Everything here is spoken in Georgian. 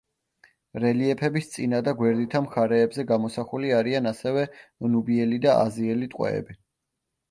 რელიეფების წინა და გვერდითა მხარეებზე გამოსახული არიან ასევე ნუბიელი და აზიელი ტყვეები.